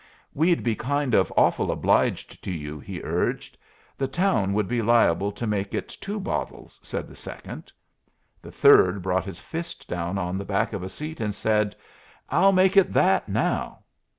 "We'd be kind of awful obliged to you," he urged. "The town would be liable to make it two bottles," said the second. The third brought his fist down on the back of a seat and said, "I'll make it that now."